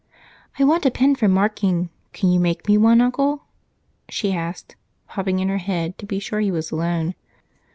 "I want a pen for marking can you make me one, Uncle?" she asked, popping her head in to be sure he was alone.